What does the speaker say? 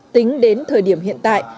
tính đến thời điểm hiện tại